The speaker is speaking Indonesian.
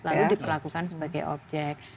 lalu diperlakukan sebagai objek